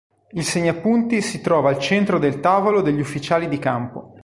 Il segnapunti si trova al centro del tavolo degli ufficiali di campo.